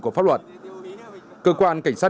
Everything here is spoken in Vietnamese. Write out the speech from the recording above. của pháp luật cơ quan cảnh sát